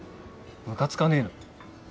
ムカつかねえの？